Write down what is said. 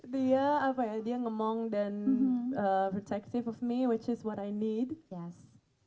dia apa ya dia ngemong dan melindungi diri dari saya yang itu yang saya butuhkan